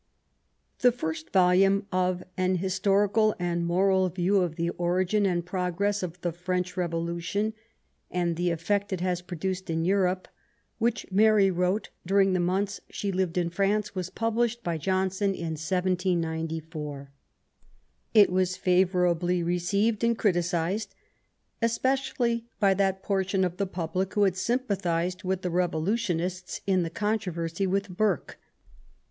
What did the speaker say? The first volume of An Historical and Moral View of the Origin and Progress of the French Revolution, and the Effect it has produced in Europe, which Mary wrote during the months she lived in France, was published by Johnson in 1794. It was favourably received and criticised, especially by that portion of the public who had sympathised with the Revolutionists in the con troversy with Burke.